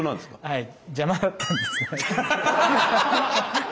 はい。